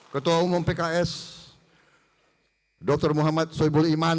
ketua umum pks dr muhammad soebul iman